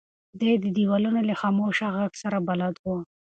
دی د دیوالونو له خاموشه غږ سره بلد و.